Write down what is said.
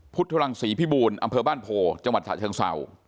พุทธรังศรีพิบูรณ์อำเภอบ้านโพจังหวัดฉะเชิงเศร้า